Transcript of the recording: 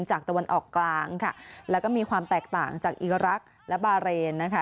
ตะวันออกกลางค่ะแล้วก็มีความแตกต่างจากอีรักษ์และบาเรนนะคะ